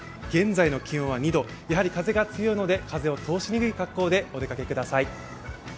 現在の気温は２度、やはり風が強いので風を通しにくい格好でお出かけください。